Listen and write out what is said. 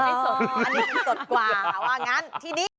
อ๋ออันนี้ก็สดกว่างั้นทีนี้